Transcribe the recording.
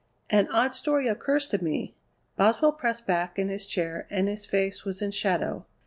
"An odd story occurs to me." Boswell pressed back in his chair and his face was in shadow.